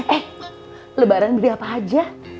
eh lebaran beli apa aja